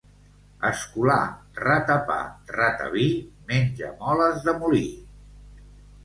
Escolà, rata pa, rata vi, menja moles de molí.